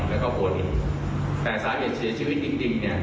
แล้วก็โบดค่ะแต่สาเหตุของชีวิตจริงจริงเนี้ย